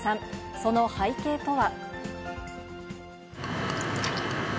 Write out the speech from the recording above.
その背景とは。